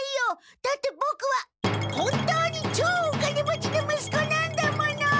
だってボクは本当にちょうお金持ちのむすこなんだもの！